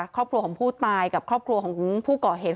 ครอบครัวของผู้ตายกับครอบครัวของผู้ก่อเหตุ